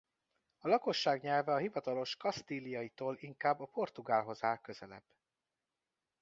A lakosság nyelve a hivatalos kasztíliaitól inkább a portugálhoz áll közelebb.